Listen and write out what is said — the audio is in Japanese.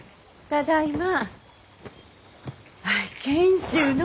ただいま。